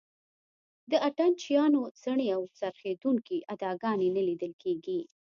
د اتڼ چیانو څڼې او څرخېدونکې اداګانې نه لیدل کېږي.